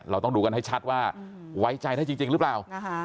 เราต้องดูกันให้ชัดว่าไว้ใจได้จริงหรือเปล่า